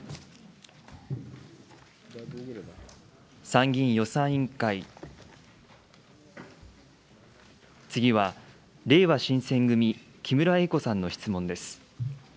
参議院予算委員会、次は、れいわ新選組、木村英子さんの質問です。